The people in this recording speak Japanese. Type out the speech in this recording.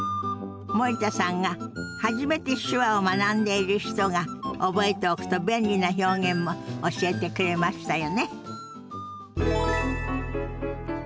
森田さんが初めて手話を学んでいる人が覚えておくと便利な表現も教えてくれましたよね。